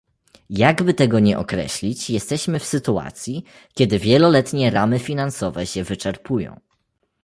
Jakby tego nie określić jesteśmy w sytuacji, kiedy wieloletnie ramy finansowe się wyczerpują